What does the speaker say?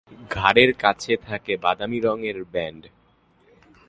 ঘাড়ের কাছে থাকে বাদামি রঙের ব্যান্ড।